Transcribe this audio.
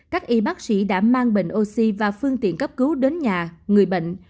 các y bác sĩ đã mang bình oxy và phương tiện cấp cứu đến nhà người bệnh